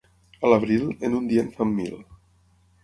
A l'abril, en un dia en fan mil.